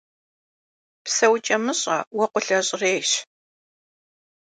Pseuç'emış'e – vuekhule ş'rêyş.